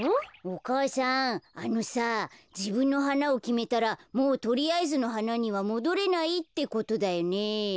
お母さんあのさじぶんのはなをきめたらもうとりあえずのはなにはもどれないってことだよね。